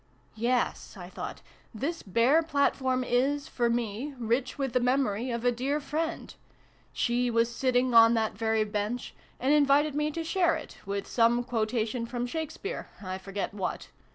"Yes," I thought. " This bare platform is, for me, rich with the memory of a dear friend ! She was sitting on that very bench, and in vited me to share it, with some quotation from Shakespeare 1 forget what.